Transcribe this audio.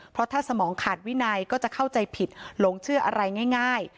เพราะถ้าสมองขาดวินัยก็จะเข้าใจผิดหลงเชื่ออะไรง่าย